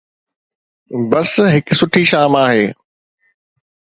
بس هڪ سٺي شام آهي.